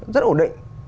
rất ổn định